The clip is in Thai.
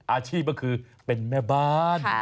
อาชีพก็คือเป็นแม่บ้าน